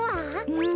うん。